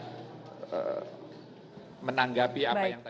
saya menanggapi apa yang tadi